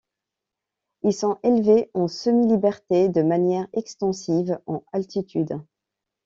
Ils sont élevés en semi-liberté de manière extensive, en altitude.